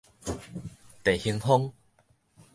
地衡風